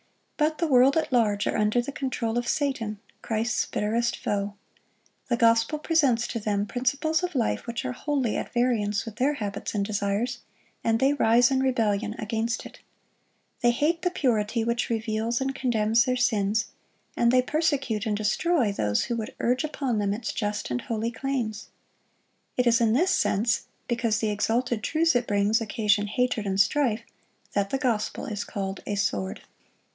But the world at large are under the control of Satan, Christ's bitterest foe. The gospel presents to them principles of life which are wholly at variance with their habits and desires, and they rise in rebellion against it. They hate the purity which reveals and condemns their sins, and they persecute and destroy those who would urge upon them its just and holy claims. It is in this sense—because the exalted truths it brings, occasion hatred and strife—that the gospel is called a sword.